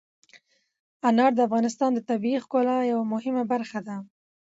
انار د افغانستان د طبیعت د ښکلا یوه مهمه برخه ده.